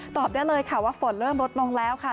ตอบได้เลยค่ะว่าฝนเริ่มลดลงแล้วค่ะ